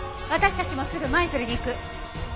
私たちもすぐ舞鶴に行く！